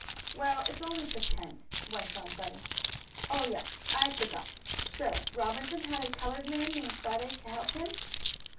"Well, it's only pretend," went on Bunny. "Oh, yes. I forgot. So Robinson had a colored man named Friday to help him."